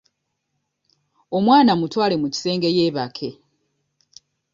Omwana mutwale mu kisenge yeebake.